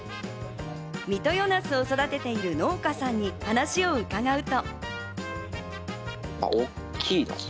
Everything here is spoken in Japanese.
三豊なすを育てている農家さんに話を伺うと。